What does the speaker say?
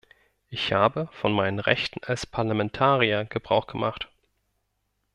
Ich habe von meinen Rechten als Parlamentarier Gebrauch gemacht.